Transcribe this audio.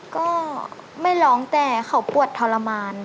ก็ไม่ร้องแต่เขาปวดทรมาน